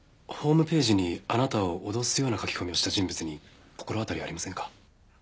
ホームページにあなたを脅すような書き込みをした人物に心当たりありませんか？